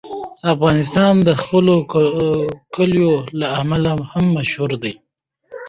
افغانستان د خپلو کلیو له امله هم مشهور دی.